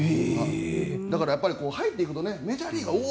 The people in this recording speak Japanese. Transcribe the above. だから、入っていくとメジャーリーガーおお！